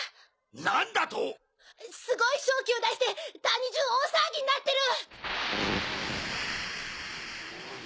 何だと⁉すごい瘴気を出して谷じゅう大騒ぎになってる！